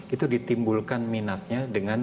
itu ditimbulkan minatnya dengan